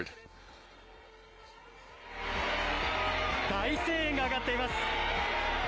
大声援が上がっています。